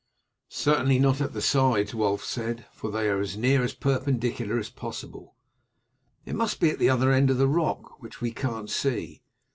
"Certainly not at the sides," Wulf said, "for they are as near perpendicular as possible. It must be at the other end of the rock, which we can't see.